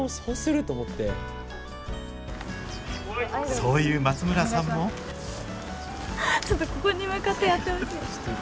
そういう松村さんもちょっとここに向かってやってほしい。